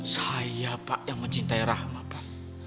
saya pak yang mencintai rahma pak